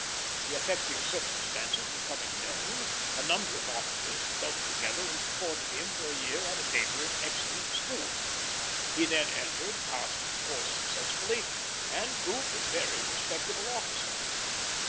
The affecting circumstances becoming known, a number of officers dubbed together and supported him for a year at a neighboring excellent school. He then entered, passed his course successfully, and proved a very respectable officer.